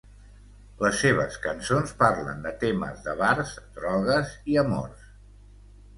Les seves cançons parlen de temes de bars, drogues i amors.